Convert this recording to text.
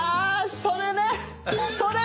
それね！